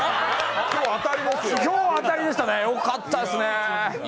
超当たりですね、よかったですね。